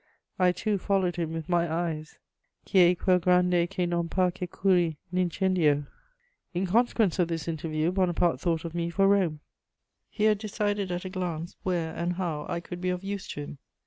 I too followed him with my eyes: Chi è quel grande che non par che curi L'incendio? In consequence of this interview, Bonaparte thought of me for Rome: he had decided at a glance where and how I could be of use to him.